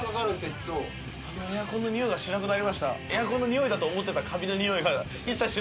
いっつもあのエアコンのニオイがしなくなりました